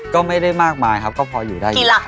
ก็ไม่ได้มากมายครับก็พออยู่ได้